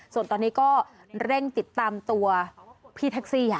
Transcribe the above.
ส่วนตอนนี้ก็เร่งติดตามตัวพี่แท็กซี่